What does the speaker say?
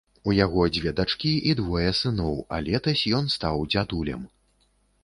У яго дзве дачкі і двое сыноў, а летась ён стаў дзядулем.